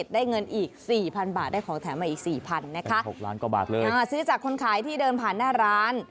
ได้เงินอีก๔๐๐๐บาทได้ของแถมอีก๔๐๐๐นะคะซื้อจากคนขายที่เดินผ่านหน้าร้าน